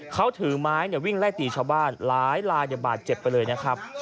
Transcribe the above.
เขาถือไม้วิ่งไล่ตีชาวบ้านหลายลายบาดเจ็บไปเลยนะครับ